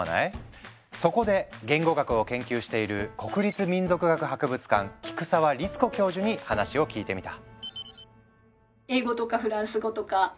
そこで言語学を研究している国立民族学博物館菊澤律子教授に話を聞いてみた。